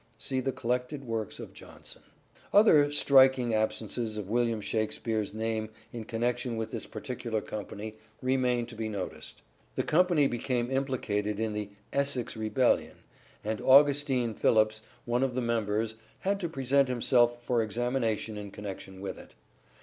(See the collected works of Jonson.) Other striking absences of William Shakspere's Missing name in connection with this particular company re crence: remain to be noticed. The company became implicated in the "Essex Rebellion," and Augustine 6 82 " SHAKESPEARE " IDENTIFIED Phillipps, one of the members, had to present himself for examination in connection with it.